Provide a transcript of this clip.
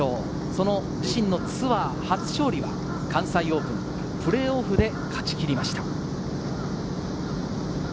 その自身のツアー初勝利は関西オープン、プレーオフで勝ち切りました。